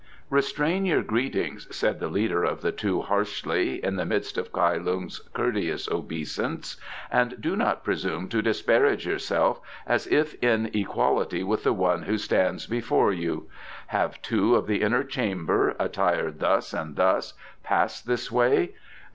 "Restrain your greetings," said the leader of the two harshly, in the midst of Kai Lung's courteous obeisance; "and do not presume to disparage yourself as if in equality with the one who stands before you. Have two of the inner chamber, attired thus and thus, passed this way?